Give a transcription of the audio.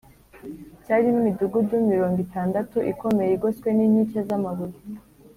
cyarimo imidugudu mirongo itandatu ikomeye igoswe n’inkike z’amabuye